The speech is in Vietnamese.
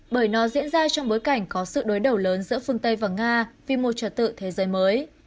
bởi nó diễn ra trong bối cảnh có sự đối đầu lớn giữa phương tây và nga vì một trật tự thế giới mới